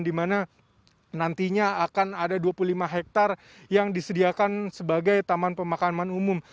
di mana nantinya akan ada dua puluh lima hektare yang disediakan sebagai taman pemakaman umum